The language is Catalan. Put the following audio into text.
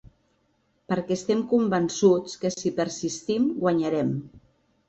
Perquè estem convençuts que si persistim, guanyarem.